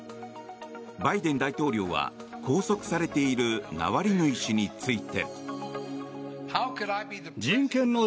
バイデン大統領は拘束されているナワリヌイ氏について。